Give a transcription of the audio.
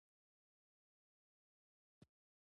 د بېګانه پرستۍ هم حد وي